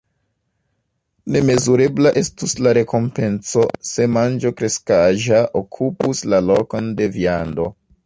Nemezurebla estus la rekompenco, se manĝo kreskaĵa okupus la lokon de viando.